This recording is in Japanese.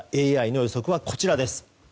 ＡＩの予測はこちら。